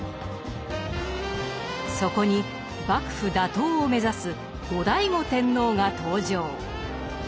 そこに幕府打倒を目指す後醍醐天皇が登場。